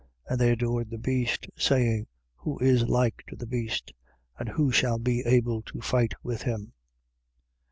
And they adored the beast, saying: Who is like to the beast? And who shall be able to fight with him?